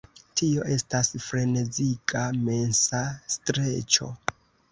Tio estas freneziga mensa streĉo.